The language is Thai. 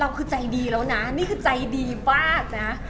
คือใจดีแล้วนะนี่คือใจดีมากนะ